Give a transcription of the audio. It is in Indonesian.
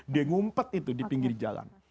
tempet itu di pinggir jalan